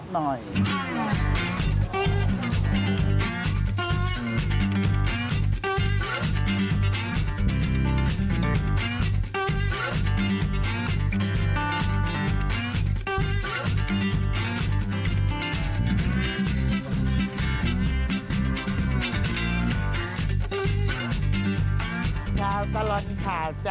มากินได้เลยชวนกันมาหลายคนมากินตลาดสี่ย่านปากซอยหนึ่งนะ